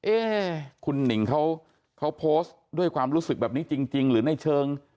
เอ๊คุณหนิงเขาโพสต์ด้วยความรู้สึกแบบนี้จริงหรือในเชิง